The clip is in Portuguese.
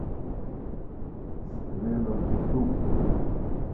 Estrela do Sul